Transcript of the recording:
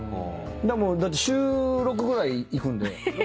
だって週６ぐらい行くんで。